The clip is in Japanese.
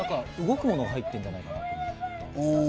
動くものが入ってるんじゃないかと。